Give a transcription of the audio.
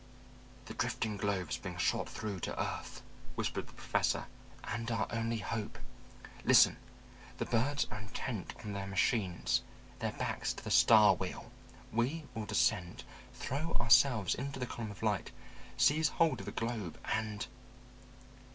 "The drifting globes being shot through to earth," whispered the Professor, "and our only hope. Listen, the birds are intent on their machines, their backs to the star wheel. We will descend, throw ourselves into the column of light, seize hold of a globe, and...."